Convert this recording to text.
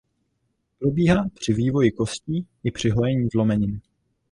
Probíhá při vývoji kostí i při hojení zlomeniny.